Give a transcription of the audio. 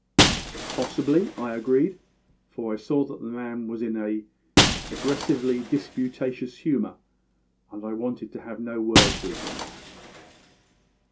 "Possibly," I agreed, for I saw that the man was in an aggressively disputatious humour, and I wanted to have no words with him.